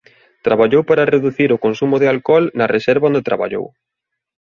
Traballou para reducir o consumo de alcohol na reserva onde traballou.